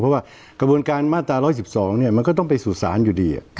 เพราะว่ากระบวนการมาตรา๑๑๒มันก็ต้องไปสู่ศาลอยู่ดี